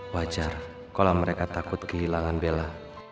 wajar kalau mereka takut kehilangan bela